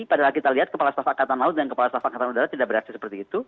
padahal kita lihat kepala staf angkatan laut dan kepala staf angkatan udara tidak beraksi seperti itu